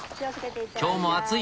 今日も暑い。